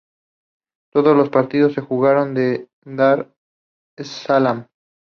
Todos los partidos se jugaron en Dar es Salaam.